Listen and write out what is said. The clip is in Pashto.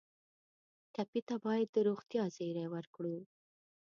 ټپي ته باید د روغتیا زېری ورکړو.